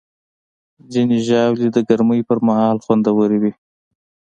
ځینې ژاولې د ګرمۍ پر مهال خوندورې وي.